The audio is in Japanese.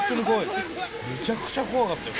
めちゃくちゃ怖かったよ